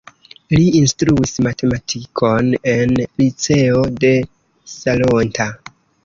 Li instruis matematikon en liceo de Salonta.